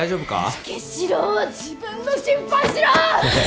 武四郎は自分の心配しろ！